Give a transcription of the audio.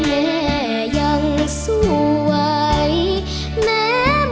เพราะธิบายที่เคยหลุม